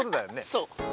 そう。